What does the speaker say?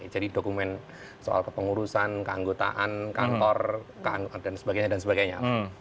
jadi dokumen soal kepengurusan keanggotaan kantor dan sebagainya